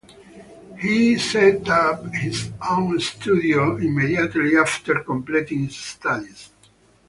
He set up his own studio immediately after completing his studies.